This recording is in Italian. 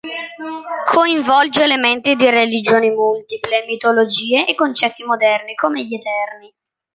Coinvolge elementi di religioni multiple, mitologie, e concetti moderni come gli Eterni.